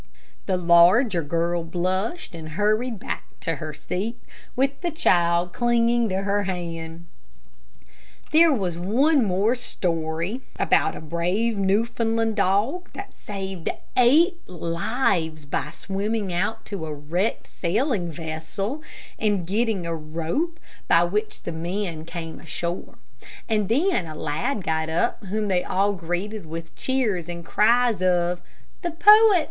The larger girl blushed and hurried back to her seat, with the child clinging to her hand. There was one more story, about a brave Newfoundland dog, that saved eight lives by swimming out to a wrecked sailing vessel, and getting a rope by which the men came ashore, and then a lad got up whom they all greeted with cheers, and cries of, "The Poet!